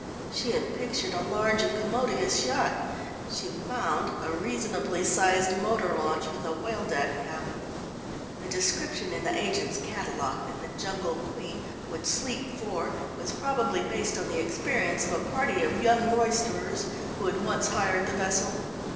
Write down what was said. She had pictured a large and commodious yacht; she found a reasonably sized motor launch with a whale deck cabin. The description in the agent's catalogue that the Jungle Queen would "sleep four" was probably based on the experience of a party of young roisterers who had once hired the vessel.